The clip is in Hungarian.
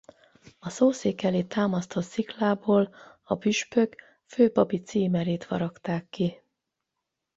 A szószék elé támasztott sziklából a püspök főpapi címerét faragták ki.